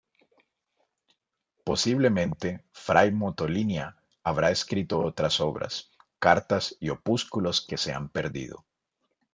Posiblemente Fray Motolinía habrá escrito otras obras, cartas y opúsculos que se han perdido.